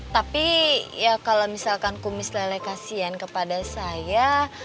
tapi ya kalo misalkan kumis lelek kasihan kepada saya